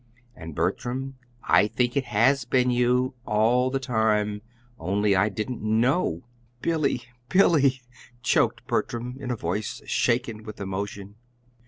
And Bertram, I think it HAS been you all the time, only I didn't know!" "Billy, Billy!" choked Bertram in a voice shaken with emotion.